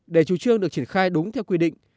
để chủ trương được triển khai đúng theo quy định